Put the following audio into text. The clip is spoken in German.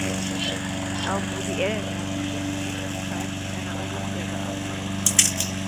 Auch Woody Allen hat bis in jüngste Zeit mit einer Olympia gearbeitet.